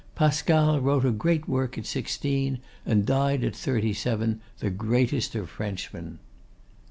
Pascal wrote a great work at sixteen, and died at thirty seven, the greatest of Frenchmen.